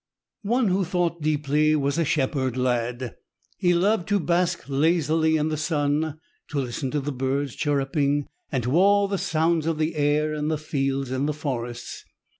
One who thought deeply was a shepherd lad. He loved to bask lazily in the sun, to listen to the birds chirruping, and to all the sounds of the air and the fields and the forests.